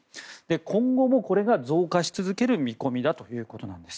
今後もこれが増加し続ける見込みだということなんです。